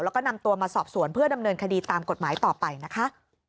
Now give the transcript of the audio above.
แล้วก็นำตัวมาสอบสวนเพื่อดำเนินคดีตามกฎหมายต่อไปนะคะ